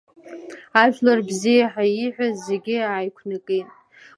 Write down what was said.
Ажәлар бзиа ҳәа ииҳәаз зегьы ааиқәнакит.